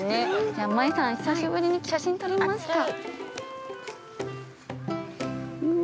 じゃあ、もえさん、久しぶりに写真撮りますか？